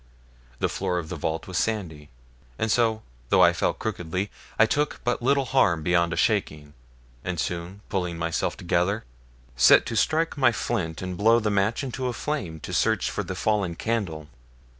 The floor of the vault was sandy; and so, though I fell crookedly, I took but little harm beyond a shaking; and soon, pulling myself together, set to strike my flint and blow the match into a flame to search for the fallen candle.